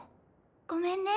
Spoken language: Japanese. ごめんね。